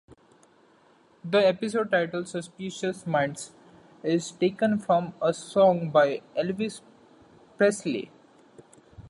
The episode title "Suspicious Minds" is taken from a song by Elvis Presley.